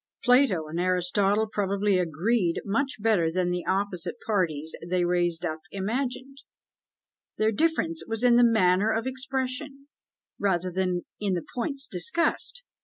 Plato and Aristotle probably agreed much better than the opposite parties they raised up imagined; their difference was in the manner of expression, rather than in the points discussed.